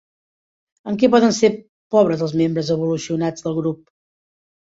En què poden ser pobres els membres evolucionats del grup?